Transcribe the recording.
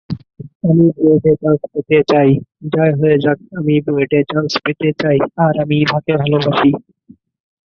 কিছু প্রজাতির পুরুষদের ঘাড় মেয়েদের থেকে লম্বা থাকে।